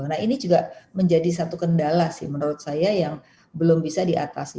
nah ini juga menjadi satu kendala sih menurut saya yang belum bisa diatasi